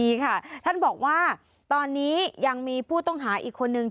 ค่ะท่านบอกว่าตอนนี้ยังมีผู้ต้องหาอีกคนนึง